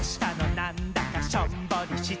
なんだかしょんぼりしてるね」